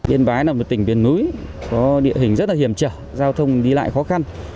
yên bái là một tỉnh biển núi có địa hình rất là hiểm trở giao thông đi lại khó khăn